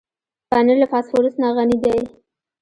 پنېر له فاسفورس نه غني دی.